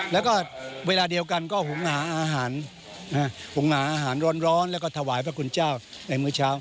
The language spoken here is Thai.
แล้วก็เวลาเดียวกันก็ผมหาอาหารผมหาอาหารร้อนแล้วก็ถวายพระคุณเจ้าในเมื่อเช้า